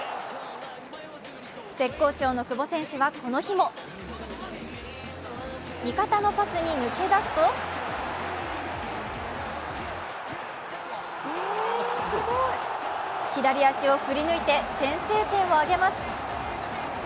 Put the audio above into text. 絶好調の久保選手はこの日も味方のパスに抜け出すと左足を振り抜いて先制点を挙げます。